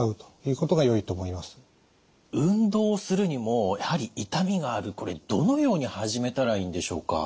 運動するにもやはり痛みがあるこれどのように始めたらいいんでしょうか。